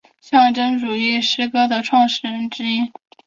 象征主义诗歌的创始人之一。